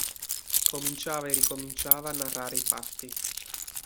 Cominciava e ricominciava a narrare i fatti.